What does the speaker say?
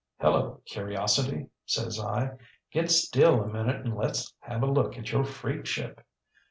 ŌĆ£ŌĆśHello, Curiosity, ŌĆÖ says I. ŌĆśGet still a minute and letŌĆÖs have a look at your freakship.